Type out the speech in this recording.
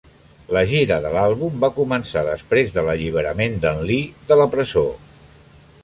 La gira de l'àlbum va començar després de l'alliberament d'en Lee de la presó.